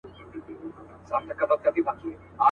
خر که هر څه په ځان غټ وو په نس موړ وو.